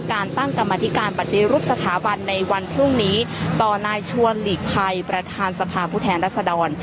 การตั้งกรรมธิการปฏิรูปสถาบันในวันพรุ่งนี้ต่อนายชวนหลีกภัยประธานสภาพผู้แทนรัศดร